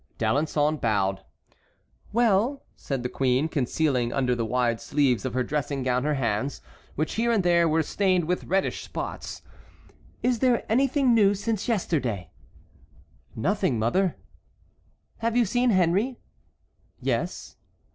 D'Alençon bowed. "Well," said the queen, concealing under the wide sleeves of her dressing gown her hands, which here and there were stained with reddish spots, "is there anything new since yesterday?" "Nothing, mother." "Have you seen Henry?" "Yes."